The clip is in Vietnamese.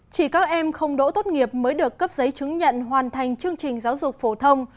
chỉ các em không đỗ tốt nghiệp mới được cấp giấy chứng nhận hoàn thành chương trình giáo dục phổ thông